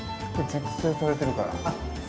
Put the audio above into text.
熟成されてるから？